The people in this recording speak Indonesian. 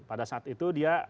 pada saat itu dia